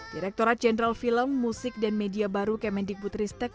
direktorat jenderal film musik dan media baru kemendik putristek